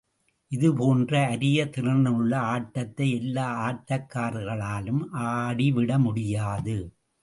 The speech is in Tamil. இதுபோன்ற அரிய திறனுள்ள ஆட்டத்தை எல்லா ஆட்டக்காரர்களாலும் ஆடிவிட முடியாது.